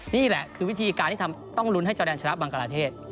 นี่แหละคือวิธีการที่ต้องลุ้นให้จอแดนชนะบังกลาเทศ